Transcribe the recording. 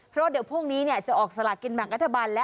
เพราะเดี๋ยวพวกนี้จะออกสลัดกินแบบกระทะบันแล้ว